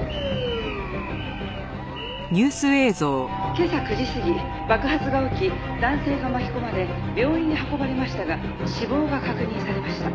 「今朝９時過ぎ爆発が起き男性が巻き込まれ病院に運ばれましたが死亡が確認されました」